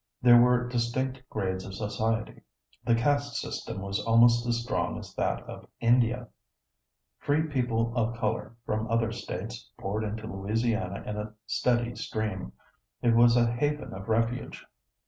There were distinct grades of society. The caste system was almost as strong as that of India. Free people of color from other states poured into Louisiana in a steady stream. It was a haven of refuge.